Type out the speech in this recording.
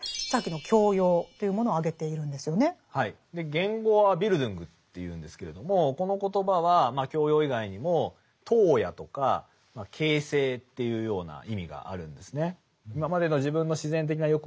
原語はＢｉｌｄｕｎｇというんですけれどもこの言葉は教養以外にも陶冶とか形成というような意味があるんですね。